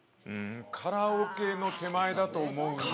カラオケの手前だと思うんで。